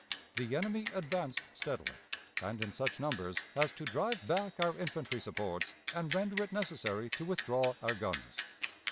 The enemy advanced steadily, and in such numbers as to drive back our infantry supports and render it necessary to withdraw our guns.